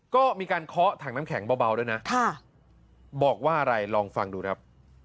ก็มีการเคาะถังน้ำแข็งเบาด้วยนะบอกว่าอะไรลองฟังดูครับ